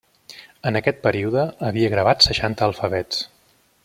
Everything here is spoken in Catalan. En aquest període, havia gravat seixanta alfabets.